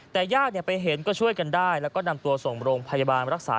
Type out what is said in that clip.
แต่ญาติไปเห็นก็ช่วยกันได้แล้วก็นำตัวส่งโรงพยาบาลรักษา